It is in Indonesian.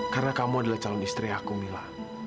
karena kamu adalah calon istri aku mila